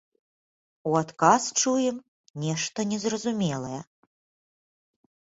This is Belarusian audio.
У адказ чуем нешта незразумелае.